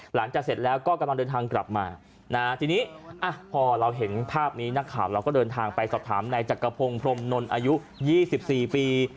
เสร็จแล้วก็กำลังเดินทางกลับมาทีนี้พอเราเห็นภาพนี้นักข่าวเราก็เดินทางไปสอบถามนายจักรพงศ์พรมนนท์อายุ๒๔ปี